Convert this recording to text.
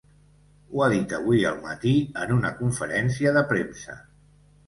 Ho ha dit avui al matí en una conferència de premsa.